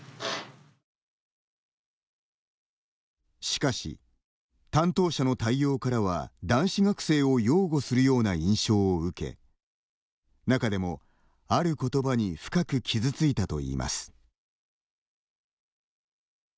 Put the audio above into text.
しかし、担当者の対応からは男子学生を擁護するような印象を受け中でも、ある言葉に深く傷ついたといいます。